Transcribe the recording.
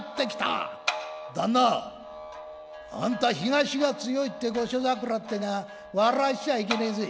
「旦那あんた東が強いって御所桜ってなあ笑わせちゃあいけねえぜ。